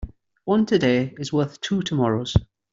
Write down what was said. One today is worth two tomorrows.